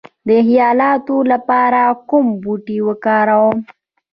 د خیالاتو لپاره کوم بوټي وکاروم؟